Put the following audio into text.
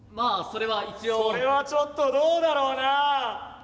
それはちょっとどうだろうな。